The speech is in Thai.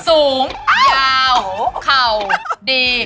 สูงยาวเข่าดี